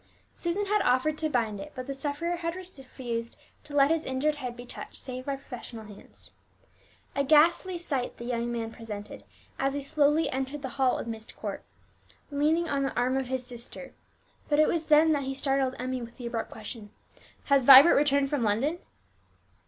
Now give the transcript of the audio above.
Susan had offered to bind it, but the sufferer had refused to let his injured head be touched save by professional hands. A ghastly sight the young man presented, as he slowly entered the hall of Myst Court, leaning on the arm of his sister; but it was then that he startled Emmie with the abrupt question, "Has Vibert returned from London?"